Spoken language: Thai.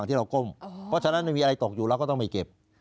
ที่เราก้มเพราะฉะนั้นไม่มีอะไรตกอยู่เราก็ต้องไปเก็บ